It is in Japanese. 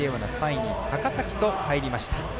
３位に高崎と入りました。